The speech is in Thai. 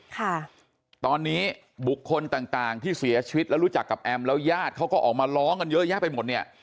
ค่ะตอนนี้บุคคลต่างต่างที่เสียชีวิตแล้วรู้จักกับแอมแล้วญาติเขาก็ออกมาร้องกันเยอะแยะไปหมดเนี่ย